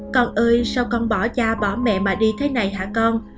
con ơi sao con bỏ cha bỏ mẹ mà đi thế này hả con